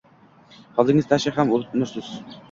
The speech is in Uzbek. Hovlining tashi ham nursiz.